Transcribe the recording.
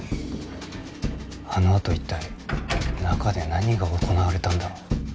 あのあと一体中で何が行われたんだろう？